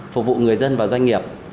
phục vụ người dân và doanh nghiệp